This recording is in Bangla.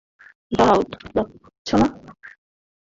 দাঁড়াও, যাচ্ছো না?